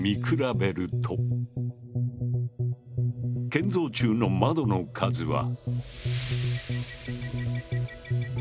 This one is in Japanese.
建造中の窓の数は１４。